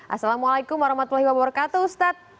assalamualaikum warahmatullahi wabarakatuh ustadz